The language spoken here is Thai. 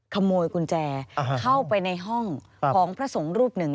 ขโมยกุญแจเข้าไปในห้องของพระสงฆ์รูปหนึ่ง